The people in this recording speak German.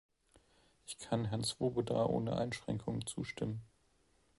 Ich kann Herrn Swoboda ohne Einschränkung zustimmen.